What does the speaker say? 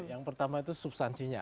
yang pertama itu substansinya